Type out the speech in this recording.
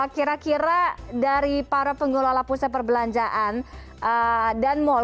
kira kira dari para pengelola pusat perbelanjaan dan mal